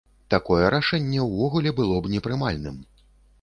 Такое рашэнне ўвогуле б было непрымальным.